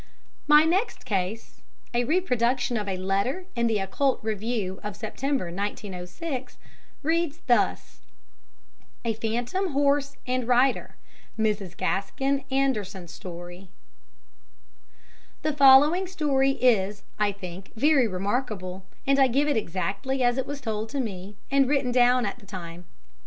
My next case, a reproduction of a letter in the Occult Review of September, 1906, reads thus: "A Phantom Horse and Rider Mrs. Gaskin Anderston's Story "The following story is, I think, very remarkable, and I give it exactly as it was told to me, and written down at the time.